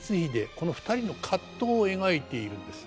この２人の葛藤を描いているんです。